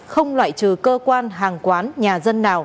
không loại trừ cơ quan hàng quán nhà dân nào